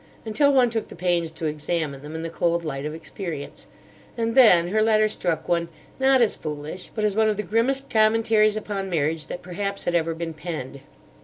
Until one took the pains to examine them in the cold light of experience. And then her letter struck one, not as foolish, but as one of the grimmest commentaries upon marriage that perhaps had ever been penned.